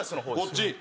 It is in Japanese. こっち？